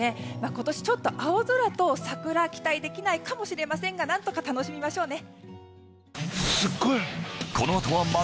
今年、ちょっと青空と桜は期待できないかもしれませんが何とか楽しみましょうね。